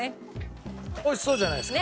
美味しそうじゃないですか。